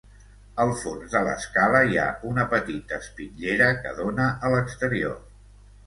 Al fons de l'escala hi ha una petita espitllera que dóna a l'exterior.